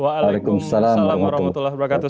waalaikumsalam warahmatullahi wabarakatuh